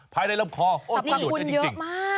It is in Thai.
ภายในร่ำคอโอ๊ยประโยชน์ได้จริงมาก